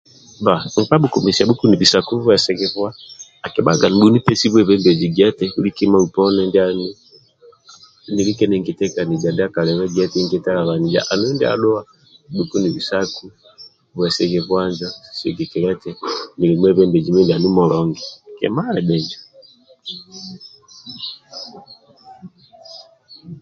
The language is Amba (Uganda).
ba nkpa bukumesiya bukunubusaku bwesighibuwa akibaga nibuni pesi bwebembeji giye eti buli kima uponi ndianu nilike ninki tekanija ndiakalibe giya nti nkitelebanija andula ndia duwa nibukunibisaku bwesighibuwa njo sigikilya stu niki mwebembeji mindianu mulungi andulu njo